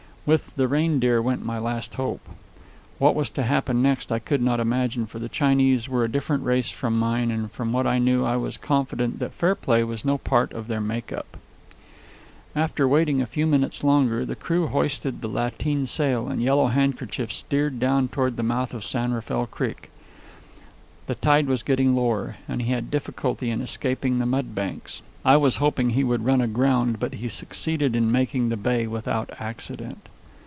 With the Reindeer went my last hope. What was to happen next I could not imagine, for the Chinese were a different race from mine and from what I knew I was confident that fair play was no part of their make up. After waiting a few minutes longer, the crew hoisted the lateen sail, and Yellow Handkerchief steered down toward the mouth of San Rafael Creek. The tide was getting lower, and he had difficulty in escaping the mud banks. I was hoping he would run aground, but he succeeded in making the bay without accident.